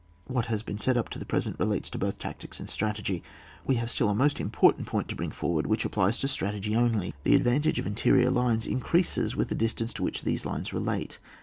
' What has been said up to the present, relates to both tactics and strategy ; we have still a most important point to bring forward, which applies to strategy only. The advantage of interior lines increases with the distances to which these lines relate.